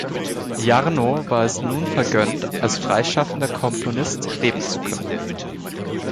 Jarno war es nun vergönnt, als freischaffender Komponist leben zu können.